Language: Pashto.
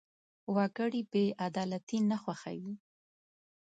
وګړي بېعدالتي نه خوښوي.